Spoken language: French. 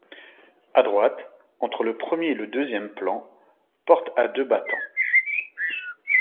À droite, entre le premier et le deuxième plan, porte à deux battants.